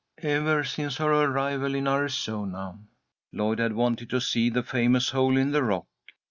Ever since her arrival in Arizona Lloyd had wanted to see the famous hole in the rock.